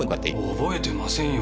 覚えてませんよ。